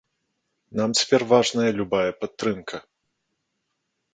Нам цяпер важная любая падтрымка.